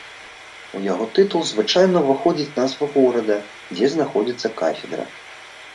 У яго тытул звычайна ўваходзіць назва горада, дзе знаходзіцца кафедра.